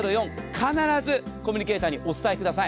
必ずコミュニケーターにお伝えください。